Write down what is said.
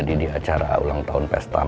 ketika bunawang sudah berusaha